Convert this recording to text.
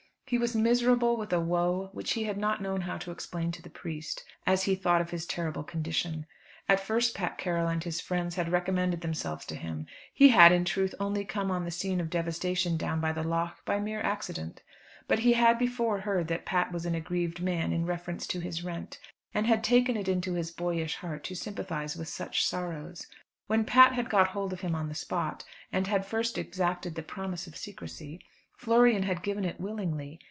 He was miserable with a woe which he had not known how to explain to the priest, as he thought of his terrible condition. At first Pat Carroll and his friends had recommended themselves to him. He had, in truth, only come on the scene of devastation down by the lough, by mere accident. But he had before heard that Pat was an aggrieved man in reference to his rent, and had taken it into his boyish heart to sympathise with such sorrows. When Pat had got hold of him on the spot, and had first exacted the promise of secrecy, Florian had given it willingly.